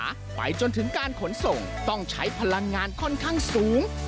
การเก็บรักษาไปจนถึงการขนส่งต้องใช้พลังงานค่อนข้างสูง